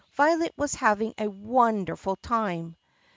Violet was having a wonderful time.